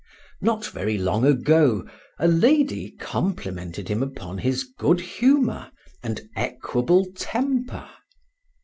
Not very long ago a lady complimented him upon his good humor and equable temper.